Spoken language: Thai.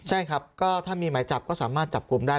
ใช่ครับก็ถ้ามีหมายจับก็สามารถจับกลุ่มได้